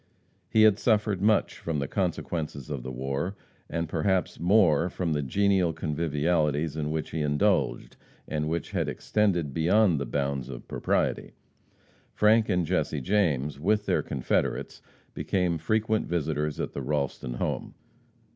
He had suffered much from the consequences of the war, and perhaps more from the genial convivialities in which he indulged, and which had extended beyond the bounds of propriety. Frank and Jesse James, with their confederates, became frequent visitors at the Ralston home.